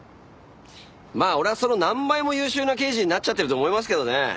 まあ俺はその何倍も優秀な刑事になっちゃってると思いますけどね。